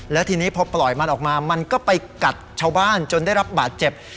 แล้วทีนี้พอปล่อยมันออกมามันก็ไปกัดชาวบ้านจนได้รับบาดเจ็บ